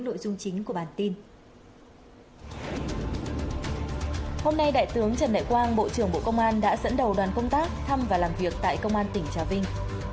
hôm nay đại tướng trần đại quang bộ trưởng bộ công an đã dẫn đầu đoàn công tác thăm và làm việc tại công an tỉnh trà vinh